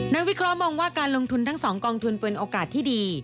วิเคราะหมองว่าการลงทุนทั้ง๒กองทุนเป็นโอกาสที่ดี